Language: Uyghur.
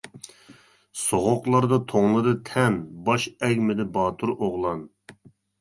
سوغۇقلاردا توڭلىدى تەن، باش ئەگمىدى باتۇر ئوغلان.